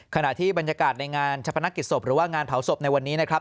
ขณะที่บรรยากาศในงานชะพนักกิจศพหรือว่างานเผาศพในวันนี้นะครับ